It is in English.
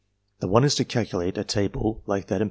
The one is to calculate a table like that in p.